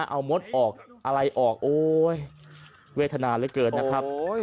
เอามดออกอะไรออกเวทนาเลยเกินนะครับ